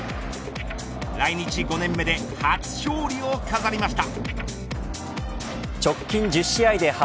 来日５年目で初勝利を飾りました。